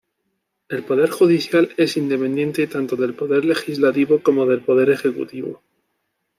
El poder judicial es independiente tanto del poder legislativo como del poder ejecutivo.